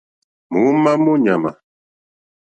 Mǒómá mó ɲàmà.